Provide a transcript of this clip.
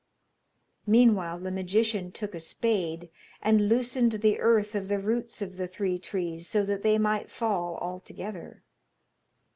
Meanwhile the magician took a spade, and loosened the earth of the roots of the three trees so that they might fall all together.